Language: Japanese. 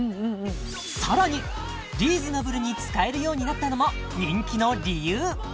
さらにリーズナブルに使えるようになったのも人気の理由